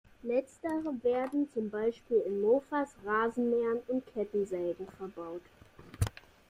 Letztere werden zum Beispiel in Mofas, Rasenmähern und Kettensägen verbaut.